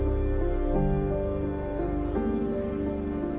là một vật liệu